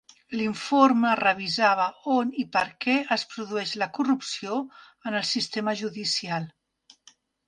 L'informe revisava on i per què es produeix la corrupció en el sistema judicial.